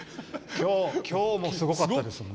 今日もすごかったですよね。